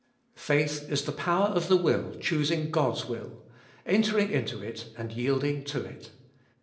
3, Faith is the power of the will choosing God's will, entering into it and yielding to it.